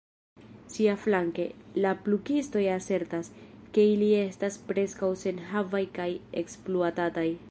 Siaflanke, la plukistoj asertas, ke ili estas preskaŭ senhavaj kaj ekspluatataj.